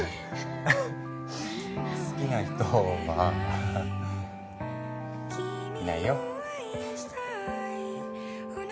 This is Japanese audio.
好きな人はいないよ。